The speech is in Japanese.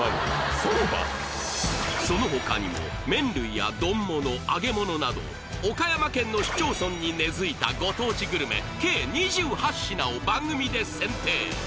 そのほかにも麺類や丼もの揚げものなど岡山県の市町村に根付いたご当地グルメ計２８品を番組で選定